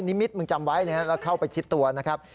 นิมิตมึงจำไว้แล้วเข้าไปชิดตัวนะครับ